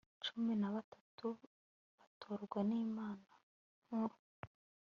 cumi n abatatu batorwa n Inama Nkuru